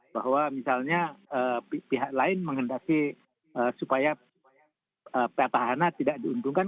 bahwa misalnya pihak lain menghendaki supaya petahana tidak diuntungkan